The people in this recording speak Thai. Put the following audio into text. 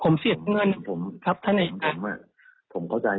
ผมก็เคยเจอพี่มันแบบที่เราเจยตารกเงิน